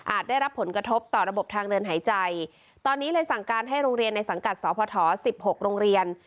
ได้รับผลกระทบต่อระบบทางเดินหายใจตอนนี้เลยสั่งการให้โรงเรียนในสังกัดสพสิบหกโรงเรียน